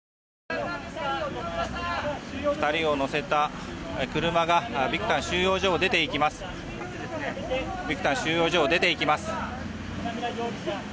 ２人を乗せた車がビクタン収容所を出ていきます。